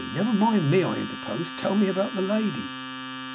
"Never mind me!" I interposed. "Tell me about the lady!"